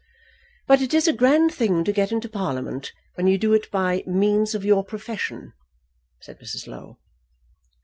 "But it is a grand thing to get into Parliament when you do it by means of your profession," said Mrs. Low.